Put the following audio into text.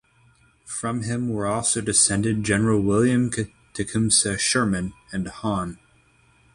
From him were also descended General William Tecumseh Sherman and Hon.